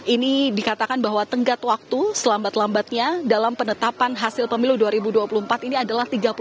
ini dikatakan bahwa tenggat waktu selambat lambatnya dalam penetapan hasil pemilu dua ribu dua puluh empat ini adalah